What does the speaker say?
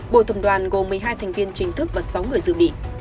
bộ thẩm đoàn gồm một mươi hai thành viên chính thức và sáu người dự bị